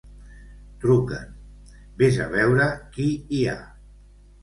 Truquen: ves a veure qui hi ha.